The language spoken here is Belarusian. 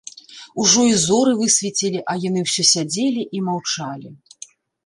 Ужо і зоры высвецілі, а яны ўсё сядзелі і маўчалі.